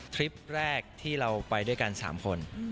คลิปแรกที่เราไปด้วยกัน๓คน